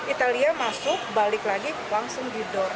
italia masuk balik lagi langsung tidur